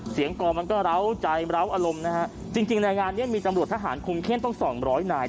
กองมันก็เล้าใจเล้าอารมณ์นะฮะจริงจริงในงานนี้มีตำรวจทหารคุมเข้มต้องสองร้อยนาย